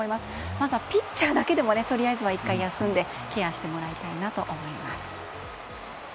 まずはピッチャーだけでもとりあえずは１回休んでケアしてもらいたいなと思います。